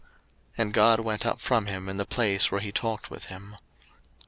01:035:013 And God went up from him in the place where he talked with him.